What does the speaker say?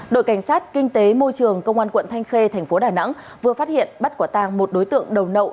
đội cảnh sát kinh tế môi trường công an quận thanh khê thành phố đà nẵng vừa phát hiện bắt quả tàng một đối tượng đầu nậu